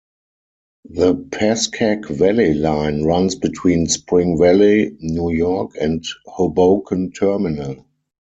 The Pascack Valley Line runs between Spring Valley, New York, and Hoboken Terminal.